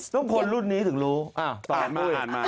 ลูกคนรุ่นนี้ถึงรู้